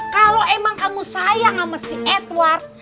kalau emang kamu sayang sama si edward